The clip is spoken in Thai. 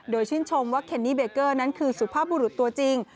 โดยชื่นชมว่าเคนนี่เบเกอร์นั้นคือสุภาพบุรุษตัวจริง